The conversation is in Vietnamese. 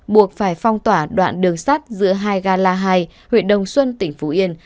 buộc phải phong tỏa đoạn đường sắt giữa hai ga la hai huyện đồng xuân tỉnh phú yên